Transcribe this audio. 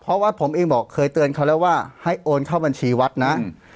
เพราะว่าผมเองบอกเคยเตือนเขาแล้วว่าให้โอนเข้าบัญชีวัดนะ